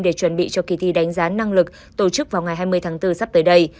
để chuẩn bị cho kỳ thi đánh giá năng lực tổ chức vào ngày hai mươi tháng bốn sắp tới đây